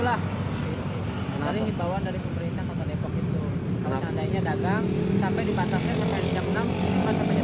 kalau seandainya dagang sampai di batasnya pasang jam enam pasang jam delapan malam